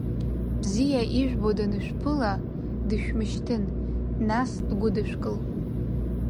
Бзиа ижәбо данышәԥыла, дышәмышьҭын, нас, дгәыдышәкыл!